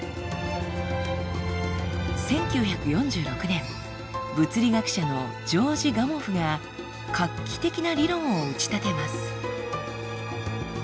１９４６年物理学者のジョージ・ガモフが画期的な理論を打ち立てます。